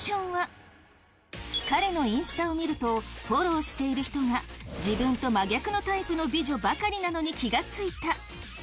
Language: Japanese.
彼のインスタを見るとフォローしている人が自分と真逆のタイプの美女ばかりなのに気が付いた。